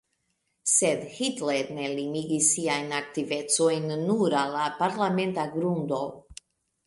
Sed Hitler ne limigis siajn aktivecojn nur al la parlamenta grundo.